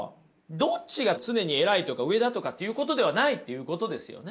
どっちが常に偉いとか上だとかっていうことではないっていうことですよね。